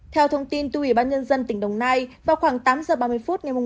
theo thông tin từ ubnd tỉnh đồng nai vào khoảng tám h ba mươi phút ngày một năm hai nghìn bốn